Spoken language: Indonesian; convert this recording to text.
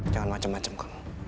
jangan macem macem kamu